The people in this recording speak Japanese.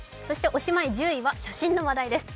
おしまい１０位は写真の話題です。